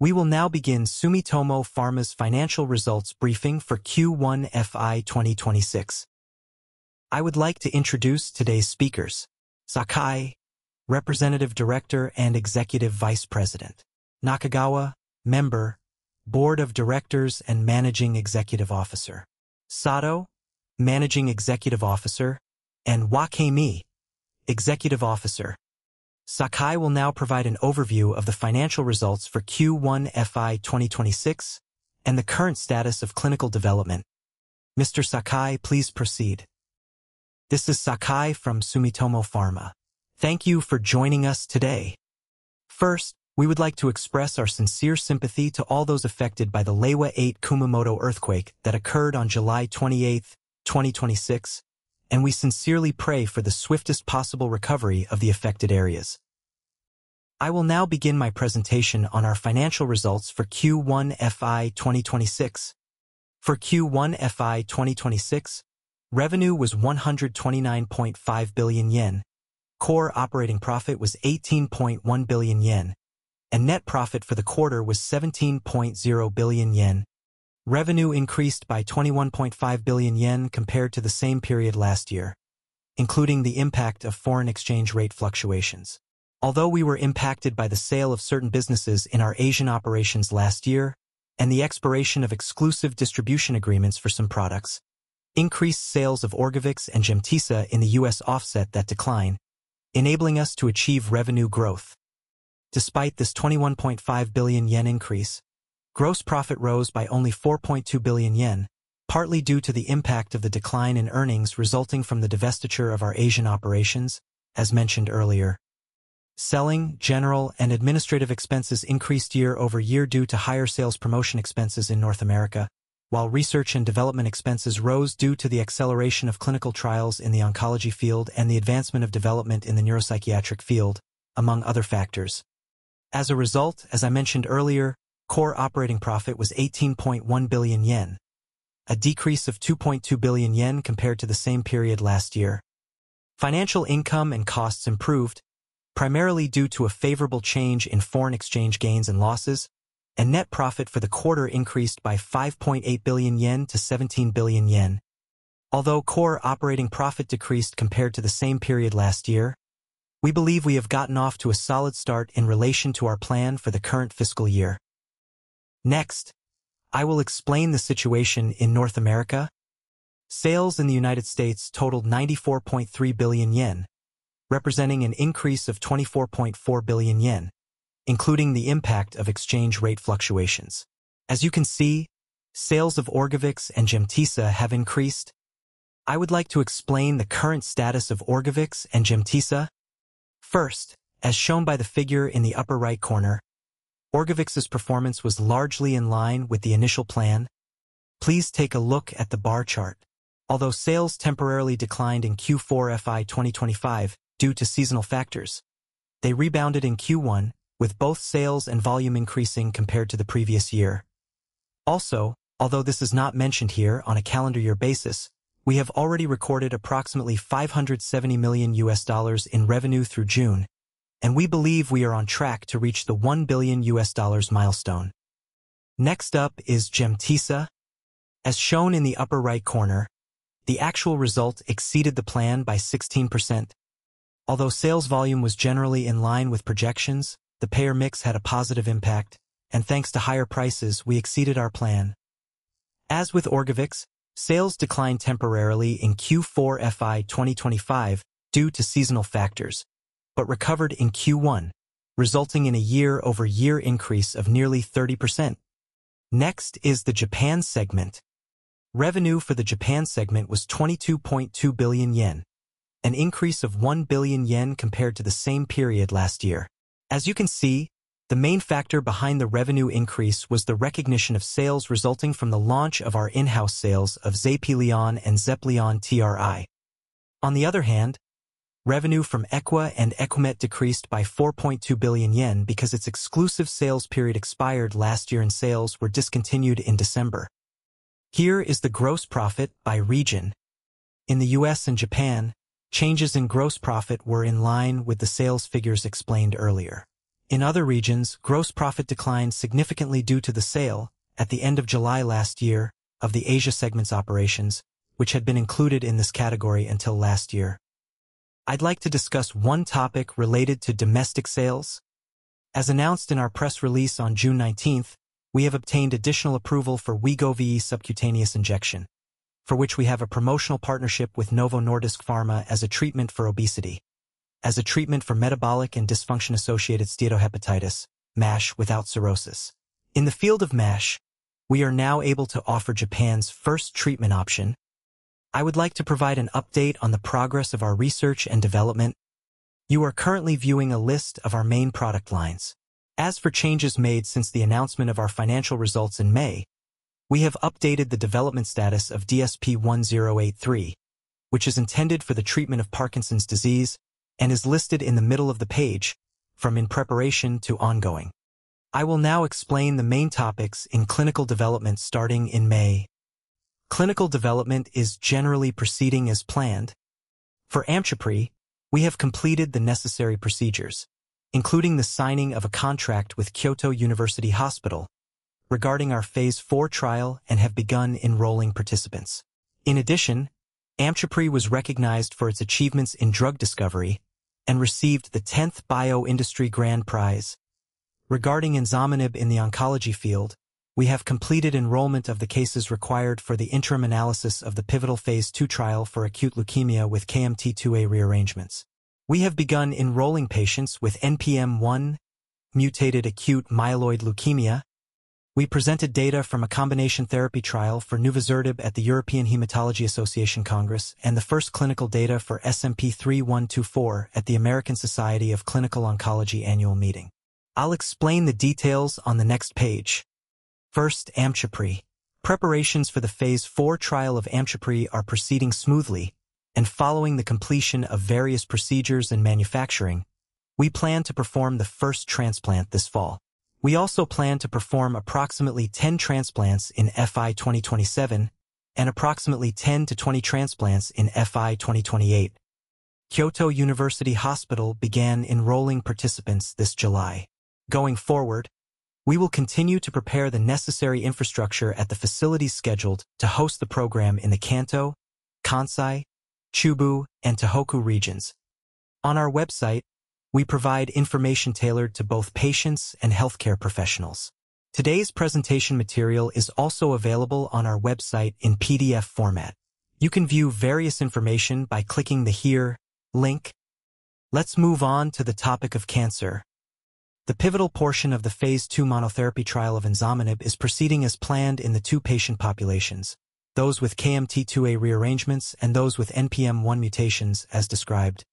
We will now begin Sumitomo Pharma's financial results briefing for Q1 FY 2026. I would like to introduce today's speakers: Sakai, Representative Director and Executive Vice President; Nakagawa, Member, Board of Directors and Managing Executive Officer; Sato, Managing Executive Officer; and Wakemi, Executive Officer. Sakai will now provide an overview of the financial results for Q1 FY 2026 and the current status of clinical development. Mr. Sakai, please proceed. This is Sakai from Sumitomo Pharma. Thank you for joining us today. First, we would like to express our sincere sympathy to all those affected by the Reiwa 8 Kumamoto earthquake that occurred on July 28th, 2026, and we sincerely pray for the swiftest possible recovery of the affected areas. I will now begin my presentation on our financial results for Q1 FY 2026. For Q1 FY 2026, revenue was 129.5 billion yen, core operating profit was 18.1 billion yen, and net profit for the quarter was 17.0 billion yen. Revenue increased by 21.5 billion yen compared to the same period last year, including the impact of foreign exchange rate fluctuations. Although we were impacted by the sale of certain businesses in our Asian operations last year, and the expiration of exclusive distribution agreements for some products, increased sales of ORGOVYX and GEMTESA in the U.S. offset that decline, enabling us to achieve revenue growth. Despite this 21.5 billion yen increase, gross profit rose by only 4.2 billion yen, partly due to the impact of the decline in earnings resulting from the divestiture of our Asian operations, as mentioned earlier. Selling general and administrative expenses increased year-over-year due to higher sales promotion expenses in North America, while research and development expenses rose due to the acceleration of clinical trials in the oncology field and the advancement of development in the neuropsychiatric field, among other factors. As a result, as I mentioned earlier, core operating profit was 18.1 billion yen, a decrease of 2.2 billion yen compared to the same period last year. Financial income and costs improved primarily due to a favorable change in foreign exchange gains and losses, and net profit for the quarter increased by 5.8 billion yen to 17 billion yen. Although core operating profit decreased compared to the same period last year, we believe we have gotten off to a solid start in relation to our plan for the current fiscal year. Next, I will explain the situation in North America. Sales in the United States totaled 94.3 billion yen, representing an increase of 24.4 billion yen, including the impact of exchange rate fluctuations. As you can see, sales of ORGOVYX and GEMTESA have increased. I would like to explain the current status of ORGOVYX and GEMTESA. First, as shown by the figure in the upper-right corner, ORGOVYX's performance was largely in line with the initial plan. Please take a look at the bar chart. Although sales temporarily declined in Q4 FY 2025 due to seasonal factors, they rebounded in Q1, with both sales and volume increasing compared to the previous year. Also, although this is not mentioned here, on a calendar year basis, we have already recorded approximately $570 million in revenue through June, and we believe we are on track to reach the $1 billion milestone. Next up is GEMTESA. As shown in the upper-right corner, the actual result exceeded the plan by 16%. Although sales volume was generally in line with projections, the payer mix had a positive impact, and thanks to higher prices, we exceeded our plan. As with ORGOVYX, sales declined temporarily in Q4 FY 2025 due to seasonal factors, but recovered in Q1, resulting in a year-over-year increase of nearly 30%. Next is the Japan segment. Revenue for the Japan segment was 22.2 billion yen, an increase of 1 billion yen compared to the same period last year. As you can see, the main factor behind the revenue increase was the recognition of sales resulting from the launch of our in-house sales of XEPLION and XEPLION TRI. On the other hand, revenue from Equa and EquMet decreased by 4.2 billion yen because its exclusive sales period expired last year, and sales were discontinued in December. Here is the gross profit by region. In the U.S. and Japan, changes in gross profit were in line with the sales figures explained earlier. In other regions, gross profit declined significantly due to the sale at the end of July last year of the Asia segment's operations, which had been included in this category until last year. I'd like to discuss one topic related to domestic sales. As announced in our press release on June 19, we have obtained additional approval for Wegovy subcutaneous injection, for which we have a promotional partnership with Novo Nordisk as a treatment for obesity, as a treatment for metabolic and dysfunction-associated steatohepatitis without cirrhosis. In the field of MASH, we are now able to offer Japan's first treatment option. I would like to provide an update on the progress of our research and development. You are currently viewing a list of our main product lines. As for changes made since the announcement of our financial results in May, we have updated the development status of DSP-1083, which is intended for the treatment of Parkinson's disease and is listed in the middle of the page from in preparation to ongoing. I will now explain the main topics in clinical development starting in May. Clinical development is generally proceeding as planned. For AMCHEPRY, we have completed the necessary procedures, including the signing of a contract with Kyoto University Hospital regarding our phase IV trial, and have begun enrolling participants. In addition, AMCHEPRY was recognized for its achievements in drug discovery and received the 10th Bio Industry Grand Prize. Regarding enzomenib in the oncology field, we have completed enrollment of the cases required for the interim analysis of the pivotal phase II trial for acute leukemia with KMT2A rearrangements. We have begun enrolling patients with NPM1-mutated acute myeloid leukemia. We presented data from a combination therapy trial for nuvisertib at the European Hematology Association Congress and the first clinical data for SMP-3124 at the American Society of Clinical Oncology annual meeting. I'll explain the details on the next page. First, AMCHEPRY. Preparations for the phase IV trial of AMCHEPRY are proceeding smoothly and following the completion of various procedures and manufacturing, we plan to perform the first transplant this fall. We also plan to perform approximately 10 transplants in FY 2027 and approximately 10-20 transplants in FY 2028. Kyoto University Hospital began enrolling participants this July. Going forward, we will continue to prepare the necessary infrastructure at the facilities scheduled to host the program in the Kanto, Kansai, Chubu, and Tohoku regions. On our website, we provide information tailored to both patients and healthcare professionals. Today's presentation material is also available on our website in PDF format. You can view various information by clicking the here link. Let's move on to the topic of cancer. The pivotal portion of the phase II monotherapy trial of enzomenib is proceeding as planned in the two patient populations, those with KMT2A rearrangements and those with NPM1 mutations, as described.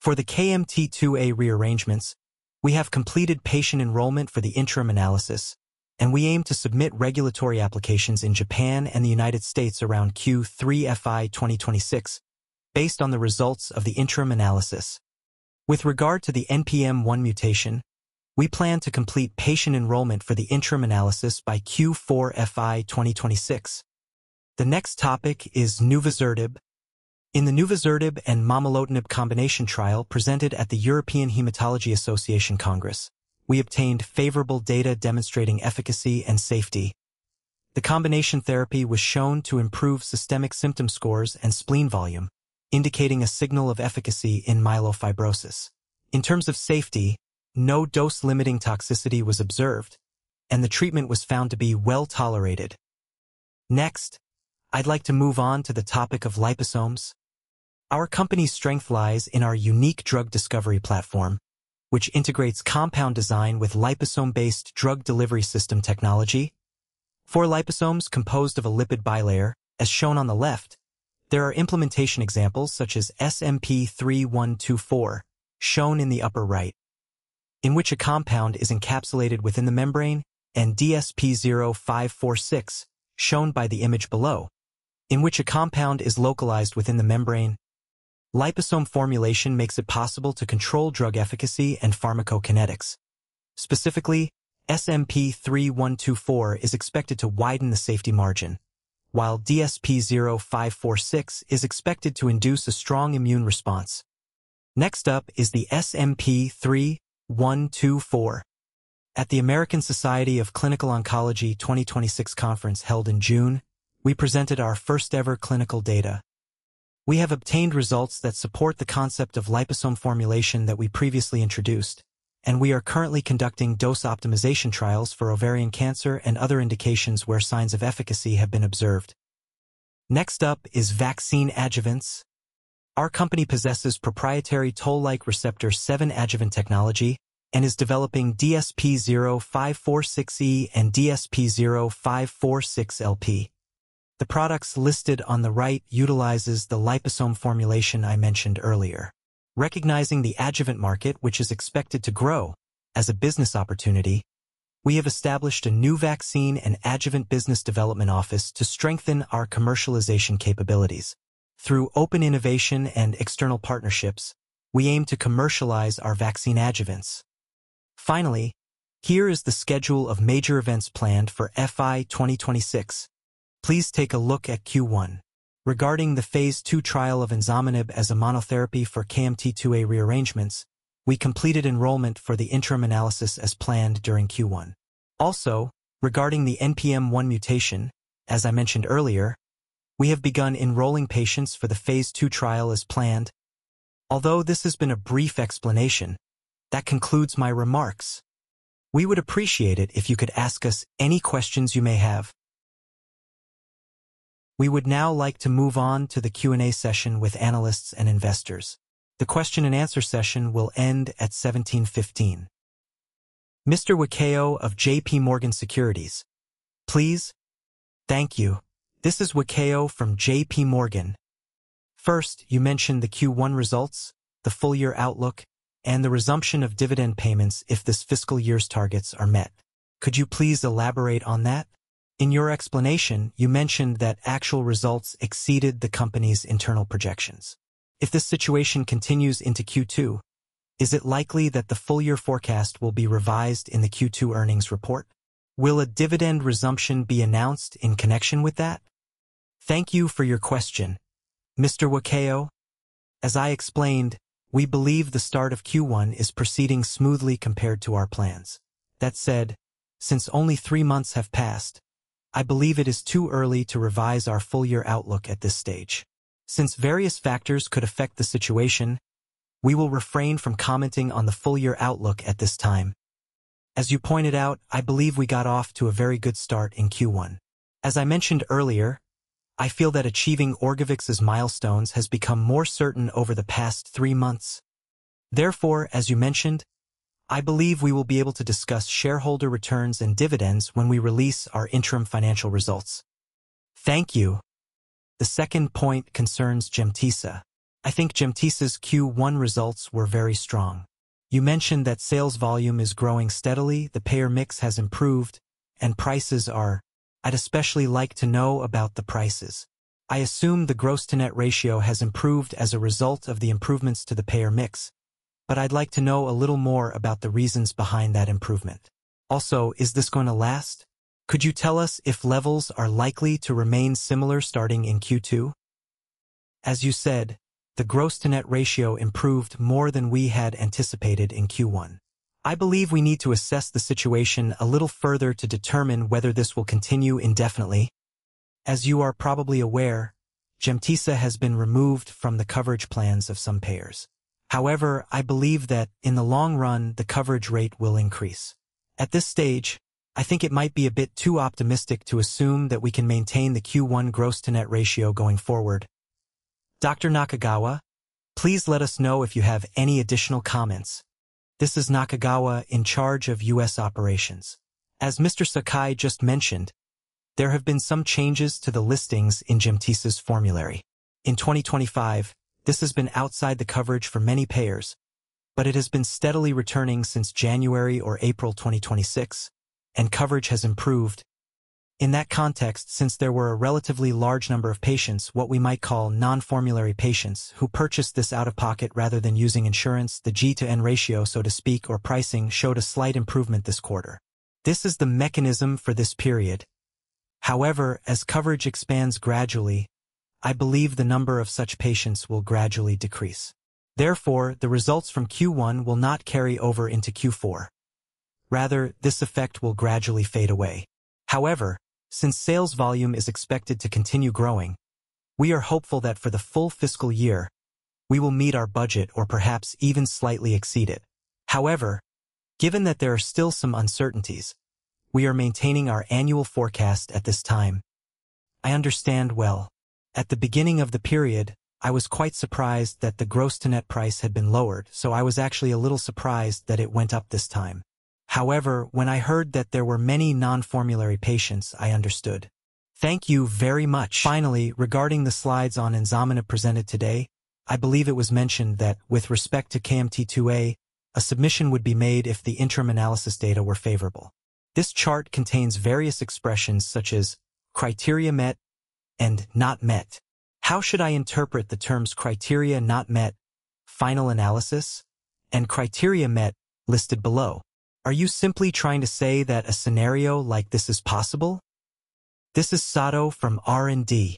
For the KMT2A rearrangements, we have completed patient enrollment for the interim analysis, and we aim to submit regulatory applications in Japan and the U.S. around Q3 FY 2026, based on the results of the interim analysis. With regard to the NPM1 mutation, we plan to complete patient enrollment for the interim analysis by Q4 FY 2026. The next topic is nuvusertib. In the nuvusertib and momelotinib combination trial presented at the European Hematology Association Congress, we obtained favorable data demonstrating efficacy and safety. The combination therapy was shown to improve systemic symptom scores and spleen volume, indicating a signal of efficacy in myelofibrosis. In terms of safety, no dose-limiting toxicity was observed, and the treatment was found to be well-tolerated. Next, I'd like to move on to the topic of liposomes. Our company's strength lies in our unique drug discovery platform, which integrates compound design with liposome-based drug delivery system technology. For liposomes composed of a lipid bilayer, as shown on the left, there are implementation examples such as SMP-3124, shown in the upper right, in which a compound is encapsulated within the membrane, and DSP-0546, shown by the image below, in which a compound is localized within the membrane. Liposome formulation makes it possible to control drug efficacy and pharmacokinetics. Specifically, SMP-3124 is expected to widen the safety margin, while DSP-0546 is expected to induce a strong immune response. Next up is the SMP-3124. At the American Society of Clinical Oncology 2026 conference held in June, we presented our first-ever clinical data. We have obtained results that support the concept of liposome formulation that we previously introduced, and we are currently conducting dose optimization trials for ovarian cancer and other indications where signs of efficacy have been observed. Next up is vaccine adjuvants. Our company possesses proprietary toll-like receptor 7 adjuvant technology and is developing DSP-0546E and DSP-0546LP. The products listed on the right utilizes the liposome formulation I mentioned earlier. Recognizing the adjuvant market, which is expected to grow as a business opportunity, we have established a new vaccine and adjuvant business development office to strengthen our commercialization capabilities. Through open innovation and external partnerships, we aim to commercialize our vaccine adjuvants. Finally, here is the schedule of major events planned for FY 2026. Please take a look at Q1. Regarding the phase II trial of enzomenib as a monotherapy for KMT2A rearrangements, we completed enrollment for the interim analysis as planned during Q1. Regarding the NPM1 mutation, as I mentioned earlier, we have begun enrolling patients for the phase II trial as planned. Although this has been a brief explanation, that concludes my remarks. We would appreciate it if you could ask us any questions you may have. We would now like to move on to the Q&A session with analysts and investors. The question and answer session will end at 17:15. Mr. Wakeo of J.P. Morgan Securities, please. Thank you. This is Wakeo from J.P. Morgan. First, you mentioned the Q1 results, the full-year outlook, and the resumption of dividend payments if this fiscal year's targets are met. Could you please elaborate on that? In your explanation, you mentioned that actual results exceeded the company's internal projections. If this situation continues into Q2, is it likely that the full-year forecast will be revised in the Q2 earnings report? Will a dividend resumption be announced in connection with that? Thank you for your question, Mr. Wakeo. As I explained, we believe the start of Q1 is proceeding smoothly compared to our plans. That said, since only three months have passed, I believe it is too early to revise our full-year outlook at this stage. Since various factors could affect the situation, we will refrain from commenting on the full-year outlook at this time. As you pointed out, I believe we got off to a very good start in Q1. As I mentioned earlier, I feel that achieving ORGOVYX's milestones has become more certain over the past three months. Therefore, as you mentioned, I believe we will be able to discuss shareholder returns and dividends when we release our interim financial results. Thank you. The second point concerns GEMTESA. I think GEMTESA’s Q1 results were very strong. You mentioned that sales volume is growing steadily, the payer mix has improved, and prices are I'd especially like to know about the prices. I assume the gross-to-net ratio has improved as a result of the improvements to the payer mix, but I'd like to know a little more about the reasons behind that improvement. Also, is this going to last? Could you tell us if levels are likely to remain similar starting in Q2? As you said, the gross-to-net ratio improved more than we had anticipated in Q1. I believe we need to assess the situation a little further to determine whether this will continue indefinitely. As you are probably aware, GEMTESA has been removed from the coverage plans of some payers. However, I believe that in the long run, the coverage rate will increase. At this stage, I think it might be a bit too optimistic to assume that we can maintain the Q1 gross-to-net ratio going forward. Dr. Nakagawa, please let us know if you have any additional comments. This is Nakagawa, in charge of U.S. operations. As Mr. Sakai just mentioned, there have been some changes to the listings in GEMTESA’s formulary. In 2025, this has been outside the coverage for many payers, but it has been steadily returning since January or April 2026, and coverage has improved. In that context, since there were a relatively large number of patients, what we might call non-formulary patients, who purchased this out of pocket rather than using insurance, the G to N ratio, so to speak, or pricing, showed a slight improvement this quarter. This is the mechanism for this period. However, as coverage expands gradually, I believe the number of such patients will gradually decrease. Therefore, the results from Q1 will not carry over into Q4. Rather, this effect will gradually fade away. However, since sales volume is expected to continue growing, we are hopeful that for the full fiscal year, we will meet our budget or perhaps even slightly exceed it. Given that there are still some uncertainties, we are maintaining our annual forecast at this time. I understand well. At the beginning of the period, I was quite surprised that the gross-to-net price had been lowered, so I was actually a little surprised that it went up this time. When I heard that there were many non-formulary patients, I understood. Thank you very much. Regarding the slides on enzomenib presented today, I believe it was mentioned that with respect to KMT2A, a submission would be made if the interim analysis data were favorable. This chart contains various expressions such as “criteria met” and “not met.” How should I interpret the terms “criteria not met,” “final analysis,” and “criteria met” listed below? Are you simply trying to say that a scenario like this is possible? This is Sato from R&D.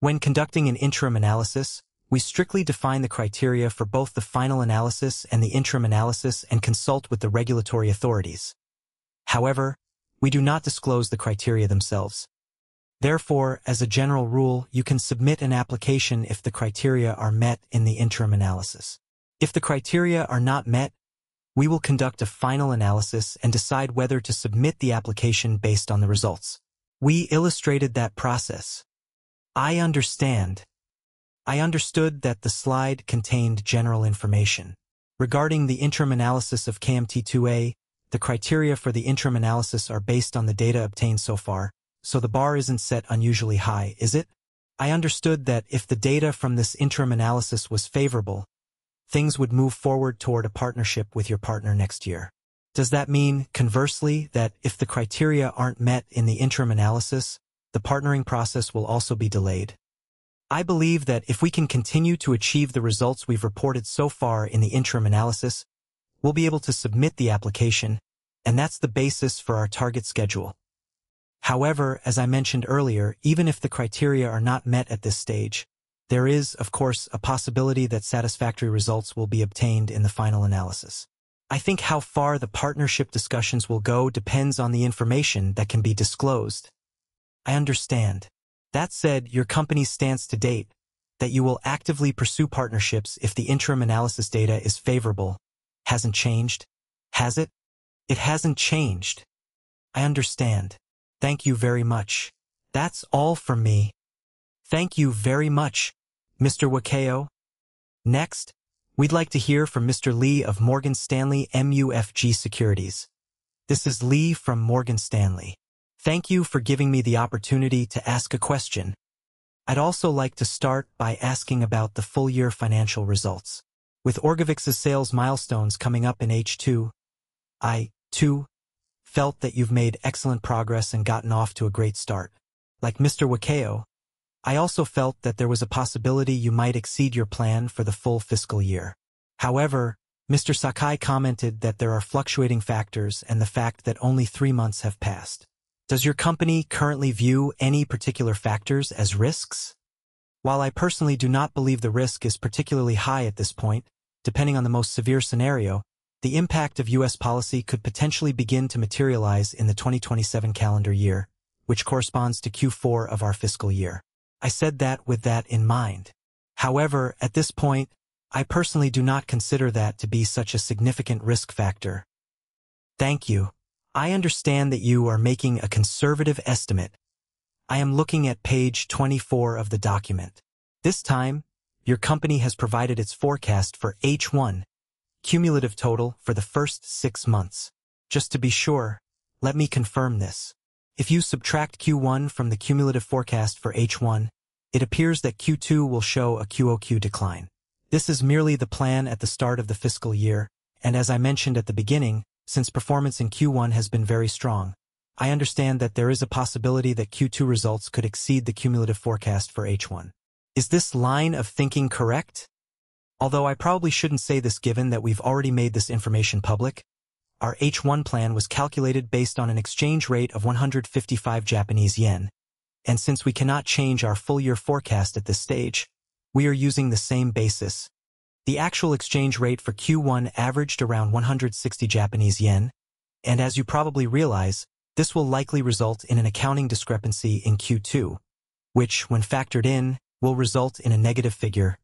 When conducting an interim analysis, we strictly define the criteria for both the final analysis and the interim analysis and consult with the regulatory authorities. However, we do not disclose the criteria themselves. Therefore, as a general rule, you can submit an application if the criteria are met in the interim analysis. If the criteria are not met, we will conduct a final analysis and decide whether to submit the application based on the results. We illustrated that process. I understand. I understood that the slide contained general information. Regarding the interim analysis of KMT2A, the criteria for the interim analysis are based on the data obtained so far, so the bar isn't set unusually high, is it? I understood that if the data from this interim analysis was favorable, things would move forward toward a partnership with your partner next year. Does that mean, conversely, that if the criteria aren't met in the interim analysis, the partnering process will also be delayed? I believe that if we can continue to achieve the results we've reported so far in the interim analysis, we'll be able to submit the application, and that's the basis for our target schedule. As I mentioned earlier, even if the criteria are not met at this stage, there is, of course, a possibility that satisfactory results will be obtained in the final analysis. I think how far the partnership discussions will go depends on the information that can be disclosed. I understand. That said, your company's stance to date, that you will actively pursue partnerships if the interim analysis data is favorable, hasn't changed, has it? It hasn't changed. I understand. Thank you very much. That's all from me. Thank you very much, Mr. Wakeo. We'd like to hear from Mr. Lee of Morgan Stanley MUFG Securities. This is Lee from Morgan Stanley. Thank you for giving me the opportunity to ask a question. I'd also like to start by asking about the full-year financial results. With ORGOVYX's sales milestones coming up in H2, I, too felt that you've made excellent progress and gotten off to a great start. Like Mr. Wakeo, I also felt that there was a possibility you might exceed your plan for the full fiscal year. Mr. Sakai commented that there are fluctuating factors and the fact that only three months have passed. Does your company currently view any particular factors as risks? While I personally do not believe the risk is particularly high at this point, depending on the most severe scenario, the impact of U.S. policy could potentially begin to materialize in the 2027 calendar year, which corresponds to Q4 of our fiscal year. I said that with that in mind. At this point, I personally do not consider that to be such a significant risk factor. Thank you. I understand that you are making a conservative estimate. I am looking at page 24 of the document. This time, your company has provided its forecast for H1, cumulative total for the first six months. Just to be sure, let me confirm this. If you subtract Q1 from the cumulative forecast for H1, it appears that Q2 will show a quarter-over-quarter decline. This is merely the plan at the start of the fiscal year, and as I mentioned at the beginning, since performance in Q1 has been very strong, I understand that there is a possibility that Q2 results could exceed the cumulative forecast for H1. Is this line of thinking correct? Although I probably shouldn't say this given that we've already made this information public, our H1 plan was calculated based on an exchange rate of 155 Japanese yen, and since we cannot change our full-year forecast at this stage, we are using the same basis. The actual exchange rate for Q1 averaged around 160 Japanese yen, and as you probably realize, this will likely result in an accounting discrepancy in Q2, which, when factored in, will result in a negative figure.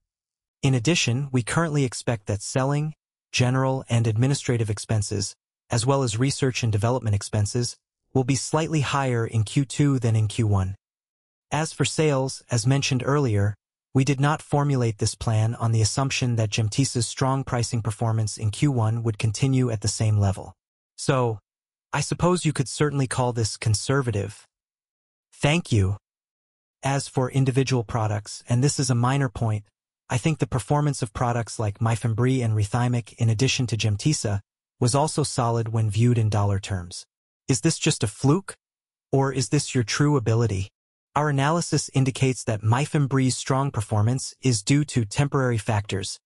In addition, we currently expect that selling, general, and administrative expenses, as well as research and development expenses, will be slightly higher in Q2 than in Q1. As for sales, as mentioned earlier, we did not formulate this plan on the assumption that GEMTESA's strong pricing performance in Q1 would continue at the same level. I suppose you could certainly call this conservative. Thank you. As for individual products, and this is a minor point, I think the performance of products like MYFEMBREE and RETHYMIC, in addition to GEMTESA, was also solid when viewed in dollar terms. Is this just a fluke, or is this your true ability? Our analysis indicates that MYFEMBREE's strong performance is due to temporary factors.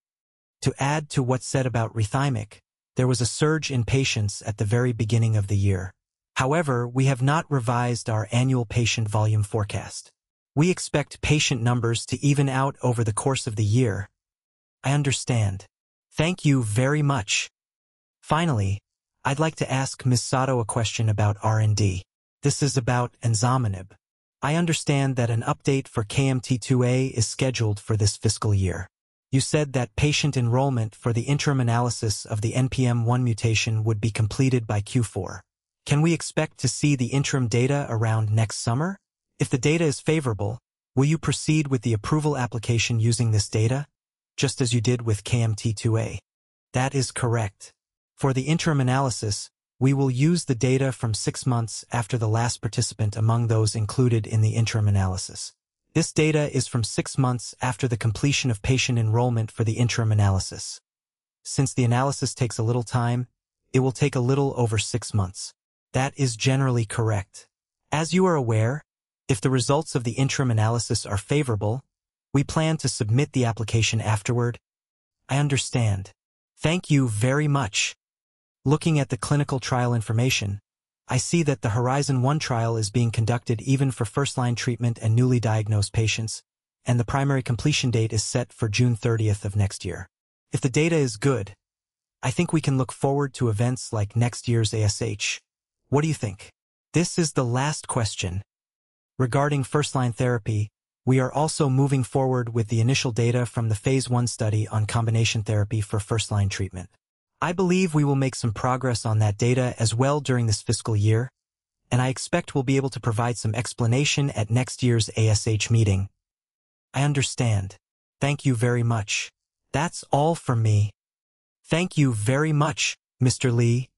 To add to what's said about RETHYMIC, there was a surge in patients at the very beginning of the year. We have not revised our annual patient volume forecast. We expect patient numbers to even out over the course of the year. I understand. Thank you very much. Finally, I'd like to ask Ms. Sato a question about R&D. This is about enzomenib. I understand that an update for KMT2A is scheduled for this fiscal year. You said that patient enrollment for the interim analysis of the NPM1 mutation would be completed by Q4. Can we expect to see the interim data around next summer? If the data is favorable, will you proceed with the approval application using this data, just as you did with KMT2A? That is correct. For the interim analysis, we will use the data from six months after the last participant among those included in the interim analysis. This data is from six months after the completion of patient enrollment for the interim analysis. Since the analysis takes a little time, it will take a little over six months. That is generally correct. As you are aware, if the results of the interim analysis are favorable, we plan to submit the application afterward. I understand. Thank you very much. Looking at the clinical trial information, I see that the Horizon One trial is being conducted even for first-line treatment and newly diagnosed patients, and the primary completion date is set for June 30th of next year. If the data is good, I think we can look forward to events like next year's ASH. What do you think? This is the last question. Regarding first-line therapy, we are also moving forward with the initial data from the phase I study on combination therapy for first-line treatment. I believe we will make some progress on that data as well during this fiscal year. I expect we'll be able to provide some explanation at next year's ASH meeting. I understand. Thank you very much. That's all from me. Thank you very much, Mr. Lee.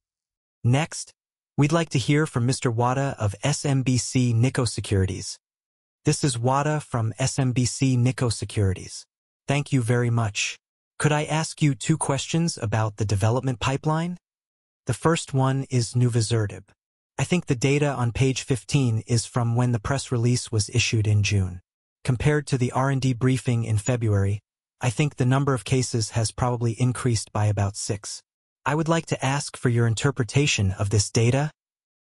Next, we'd like to hear from Mr. Wada of SMBC Nikko Securities. This is Wada from SMBC Nikko Securities. Thank you very much. Could I ask you two questions about the development pipeline? The first one is nuvisertib. I think the data on page 15 is from when the press release was issued in June. Compared to the R&D briefing in February, I think the number of cases has probably increased by about six. I would like to ask for your interpretation of this data.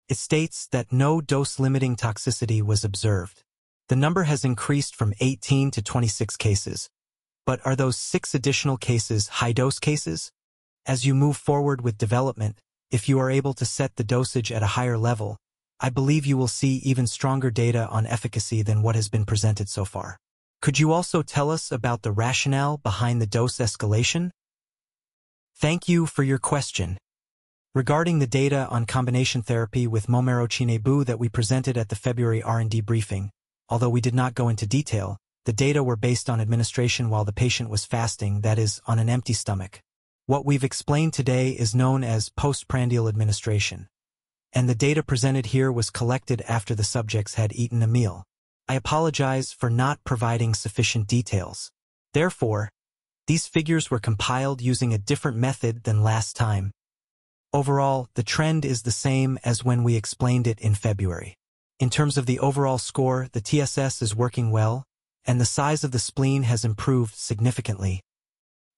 It states that no dose-limiting toxicity was observed. The number has increased from 18 to 26 cases, but are those six additional cases high-dose cases? As you move forward with development, if you are able to set the dosage at a higher level, I believe you will see even stronger data on efficacy than what has been presented so far. Could you also tell us about the rationale behind the dose escalation? Thank you for your question. Regarding the data on combination therapy with momelotinib that we presented at the February R&D briefing, although we did not go into detail, the data were based on administration while the patient was fasting, that is, on an empty stomach. What we've explained today is known as postprandial administration, and the data presented here was collected after the subjects had eaten a meal. I apologize for not providing sufficient details. These figures were compiled using a different method than last time. Overall, the trend is the same as when we explained it in February. In terms of the overall score, the TSS is working well, and the size of the spleen has improved significantly.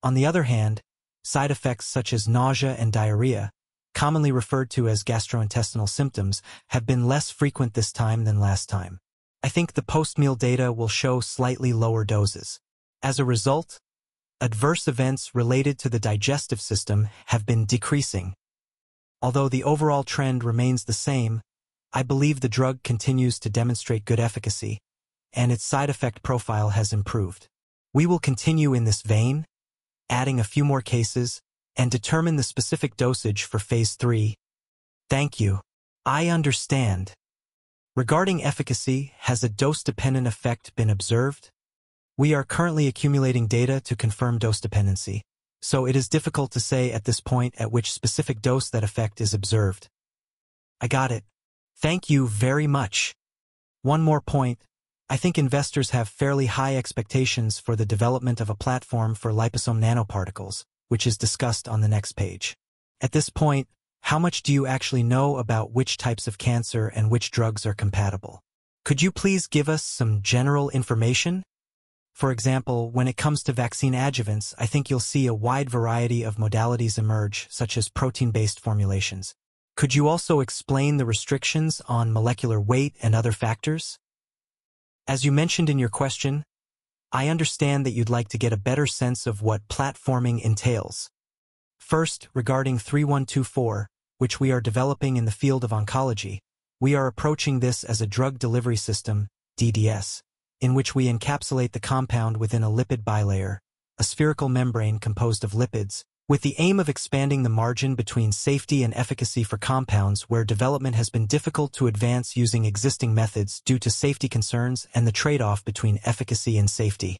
On the other hand, side effects such as nausea and diarrhea, commonly referred to as gastrointestinal symptoms, have been less frequent this time than last time. I think the post-meal data will show slightly lower doses. As a result, adverse events related to the digestive system have been decreasing. Although the overall trend remains the same, I believe the drug continues to demonstrate good efficacy, and its side effect profile has improved. We will continue in this vein, adding a few more cases, and determine the specific dosage for phase III. Thank you. I understand. Regarding efficacy, has a dose-dependent effect been observed? We are currently accumulating data to confirm dose dependency, so it is difficult to say at this point at which specific dose that effect is observed. I got it. Thank you very much. One more point. I think investors have fairly high expectations for the development of a platform for liposome nanoparticles, which is discussed on the next page. At this point, how much do you actually know about which types of cancer and which drugs are compatible? Could you please give us some general information? For example, when it comes to vaccine adjuvants, I think you'll see a wide variety of modalities emerge, such as protein-based formulations. Could you also explain the restrictions on molecular weight and other factors? As you mentioned in your question, I understand that you'd like to get a better sense of what platforming entails. First, regarding SMP-3124, which we are developing in the field of oncology, we are approaching this as a drug delivery system, DDS, in which we encapsulate the compound within a lipid bilayer, a spherical membrane composed of lipids, with the aim of expanding the margin between safety and efficacy for compounds where development has been difficult to advance using existing methods due to safety concerns and the trade-off between efficacy and safety.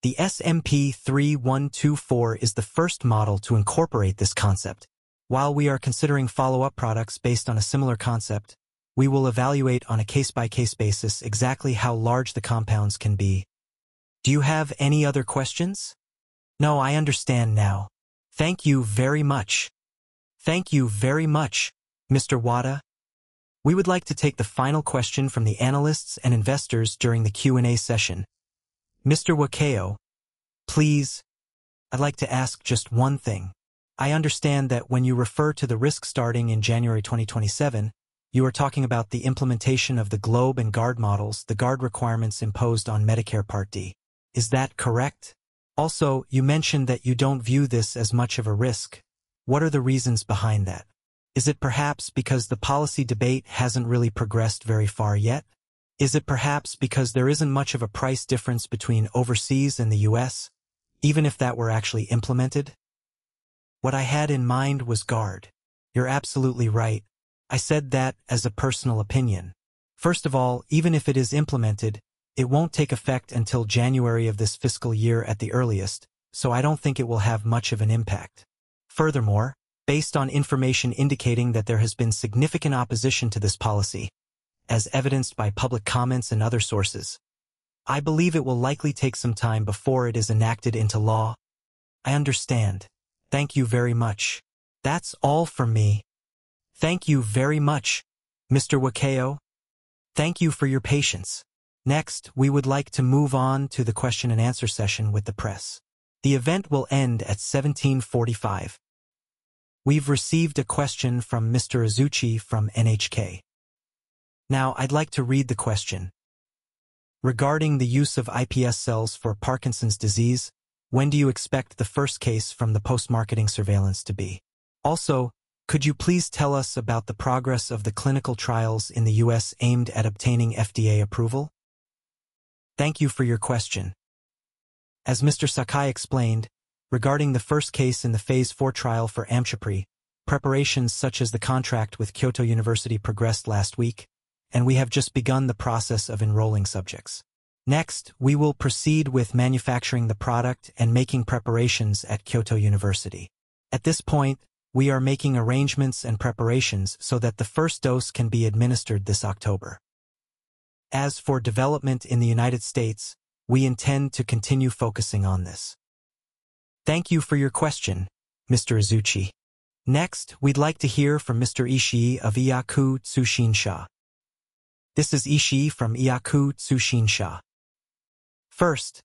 The SMP-3124 is the first model to incorporate this concept. While we are considering follow-up products based on a similar concept, we will evaluate on a case-by-case basis exactly how large the compounds can be. Do you have any other questions? No, I understand now. Thank you very much. Thank you very much, Mr. Wada. We would like to take the final question from the analysts and investors during the Q&A session. Mr. Wakeo, please. I'd like to ask just one thing. I understand that when you refer to the risk starting in January 2027, you are talking about the implementation of the GLOBE and GUARD Models, the GUARD requirements imposed on Medicare Part D. Is that correct? You mentioned that you don't view this as much of a risk. What are the reasons behind that? Is it perhaps because the policy debate hasn't really progressed very far yet? Is it perhaps because there isn't much of a price difference between overseas and the U.S., even if that were actually implemented? What I had in mind was GUARD. You're absolutely right. I said that as a personal opinion. Even if it is implemented, it won't take effect until January of this fiscal year at the earliest, so I don't think it will have much of an impact. Based on information indicating that there has been significant opposition to this policy, as evidenced by public comments and other sources, I believe it will likely take some time before it is enacted into law. I understand. Thank you very much. That's all from me. Thank you very much, Mr. Wakeo. Thank you for your patience. We would like to move on to the question and answer session with the press. The event will end at 5:45 P.M. We've received a question from Mr. Uzuchi from NHK. I'd like to read the question. Regarding the use of iPS cells for Parkinson's disease, when do you expect the first case from the post-marketing surveillance to be? Could you please tell us about the progress of the clinical trials in the U.S. aimed at obtaining FDA approval? Thank you for your question. As Mr. Sakai explained, regarding the first case in the phase IV trial for AMCHEPRY, preparations such as the contract with Kyoto University progressed last week, and we have just begun the process of enrolling subjects. Next, we will proceed with manufacturing the product and making preparations at Kyoto University. At this point, we are making arrangements and preparations so that the first dose can be administered this October. As for development in the U.S., we intend to continue focusing on this. Thank you for your question, Mr. Uzuchi. Next, we'd like to hear from Mr. Ishii of Yaku Tsushinsha. This is Ishii from Yaku Tsushinsha. First,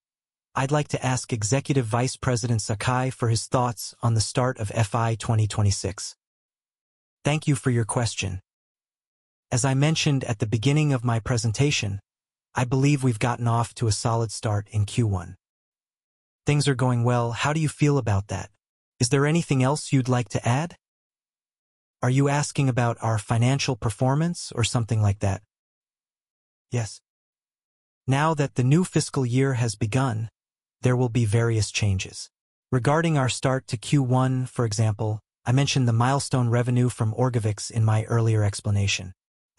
I'd like to ask Executive Vice President Sakai for his thoughts on the start of FY 2026. Thank you for your question. As I mentioned at the beginning of my presentation, I believe we've gotten off to a solid start in Q1. Things are going well. How do you feel about that? Is there anything else you'd like to add? Are you asking about our financial performance or something like that? Yes. Now that the new fiscal year has begun, there will be various changes. Regarding our start to Q1, for example, I mentioned the milestone revenue from ORGOVYX in my earlier explanation.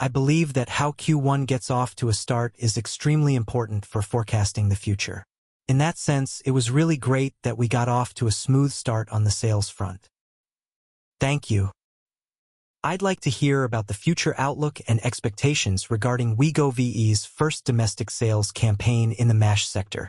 I believe that how Q1 gets off to a start is extremely important for forecasting the future. In that sense, it was really great that we got off to a smooth start on the sales front. Thank you. I'd like to hear about the future outlook and expectations regarding Wegovy's first domestic sales campaign in the MASH sector.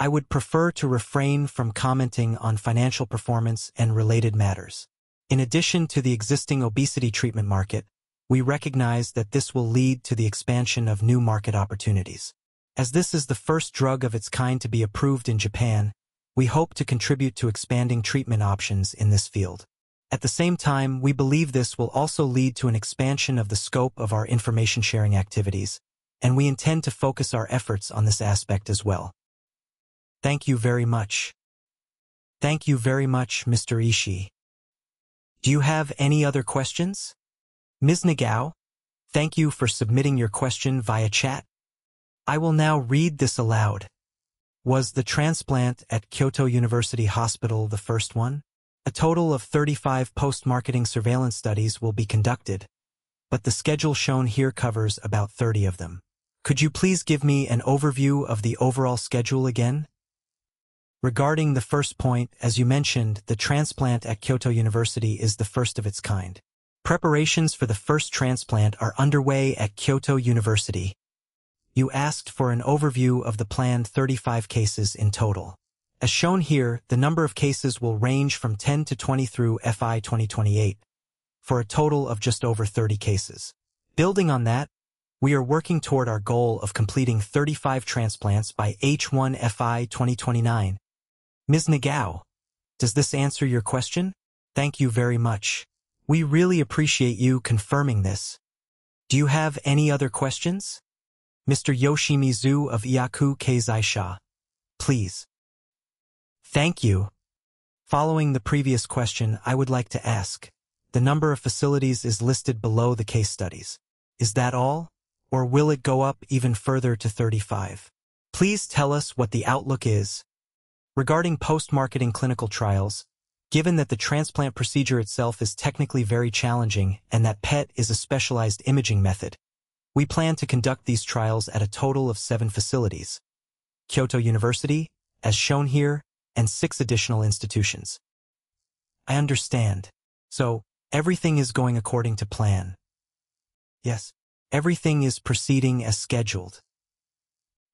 I would prefer to refrain from commenting on financial performance and related matters. In addition to the existing obesity treatment market, we recognize that this will lead to the expansion of new market opportunities. As this is the first drug of its kind to be approved in Japan, we hope to contribute to expanding treatment options in this field. At the same time, we believe this will also lead to an expansion of the scope of our information-sharing activities, and we intend to focus our efforts on this aspect as well. Thank you very much. Thank you very much, Mr. Ishii. Do you have any other questions? Ms. Nagao, thank you for submitting your question via chat. I will now read this aloud. Was the transplant at Kyoto University Hospital the first one? A total of 35 post-marketing surveillance studies will be conducted, but the schedule shown here covers about 30 of them. Could you please give me an overview of the overall schedule again? Regarding the first point, as you mentioned, the transplant at Kyoto University is the first of its kind. Preparations for the first transplant are underway at Kyoto University. You asked for an overview of the planned 35 cases in total. As shown here, the number of cases will range from 10 to 20 through FY 2028, for a total of just over 35 cases. Building on that, we are working toward our goal of completing 35 transplants by H1 FY 2029. Ms. Nagao, does this answer your question? Thank you very much. We really appreciate you confirming this. Do you have any other questions? Mr. Yoshimizu of Yakuji Keizai Sha, please. Thank you. Following the previous question, I would like to ask: The number of facilities is listed below the case studies. Is that all, or will it go up even further to 35? Please tell us what the outlook is. Regarding post-marketing clinical trials, given that the transplant procedure itself is technically very challenging and that PET is a specialized imaging method, we plan to conduct these trials at a total of seven facilities: Kyoto University, as shown here, and six additional institutions. I understand. Everything is going according to plan. Yes. Everything is proceeding as scheduled.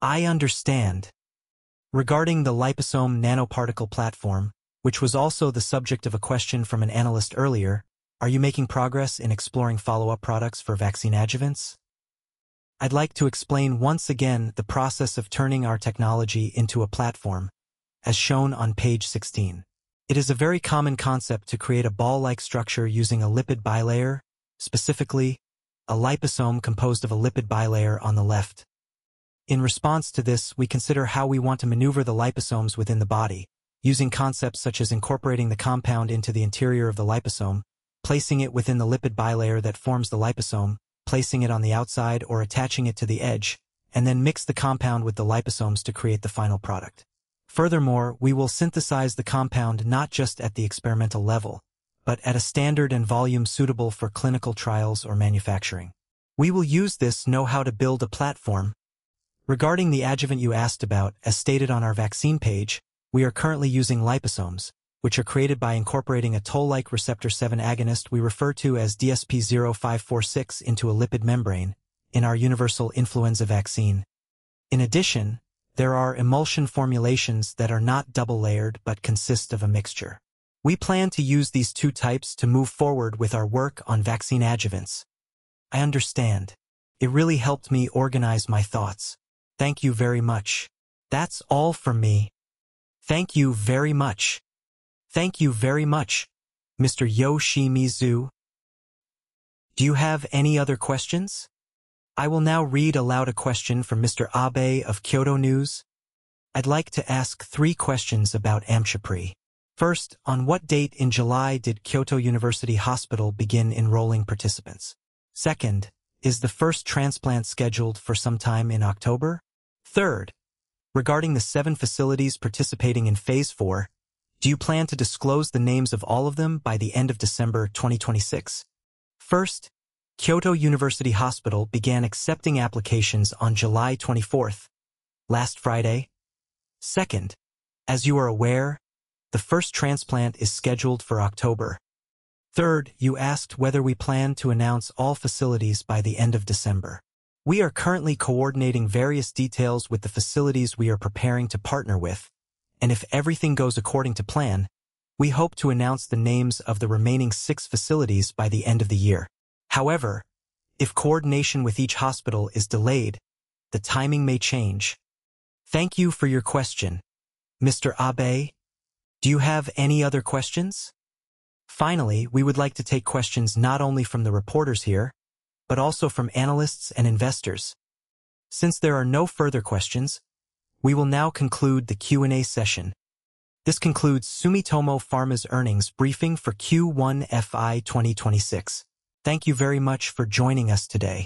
I understand. Regarding the liposome nanoparticle platform, which was also the subject of a question from an analyst earlier, are you making progress in exploring follow-up products for vaccine adjuvants? I'd like to explain once again the process of turning our technology into a platform, as shown on page 16. It is a very common concept to create a ball-like structure using a lipid bilayer, specifically, a liposome composed of a lipid bilayer on the left. In response to this, we consider how we want to maneuver the liposomes within the body, using concepts such as incorporating the compound into the interior of the liposome, placing it within the lipid bilayer that forms the liposome, placing it on the outside, or attaching it to the edge, and then mix the compound with the liposomes to create the final product. Furthermore, we will synthesize the compound not just at the experimental level, but at a standard and volume suitable for clinical trials or manufacturing. We will use this know-how to build a platform. Regarding the adjuvant you asked about, as stated on our vaccine page, we are currently using liposomes, which are created by incorporating a toll-like receptor 7 agonist we refer to as DSP-0546 into a lipid membrane in our universal influenza vaccine. In addition, there are emulsion formulations that are not double-layered but consist of a mixture. We plan to use these two types to move forward with our work on vaccine adjuvants. I understand. It really helped me organize my thoughts. Thank you very much. That's all from me. Thank you very much. Thank you very much, Mr. Yoshimizu. Do you have any other questions? I will now read aloud a question from Mr. Abe of Kyodo News. I'd like to ask three questions about AMCHEPRY. First, on what date in July did Kyoto University Hospital begin enrolling participants? Second, is the first transplant scheduled for sometime in October? Third, regarding the seven facilities participating in phase IV, do you plan to disclose the names of all of them by the end of December 2026? First, Kyoto University Hospital began accepting applications on July 24th, last Friday. Second, as you are aware, the first transplant is scheduled for October. Third, you asked whether we plan to announce all facilities by the end of December. We are currently coordinating various details with the facilities we are preparing to partner with, and if everything goes according to plan, we hope to announce the names of the remaining six facilities by the end of the year. However, if coordination with each hospital is delayed, the timing may change. Thank you for your question. Mr. Abe, do you have any other questions? Finally, we would like to take questions not only from the reporters here, but also from analysts and investors. Since there are no further questions, we will now conclude the Q&A session. This concludes Sumitomo Pharma's earnings briefing for Q1 FY 2026. Thank you very much for joining us today.